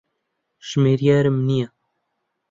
ژمێریارم نییە.